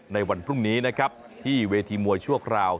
ในวันพรุ่งนี้นะครับที่เวทีมวยชั่วคราว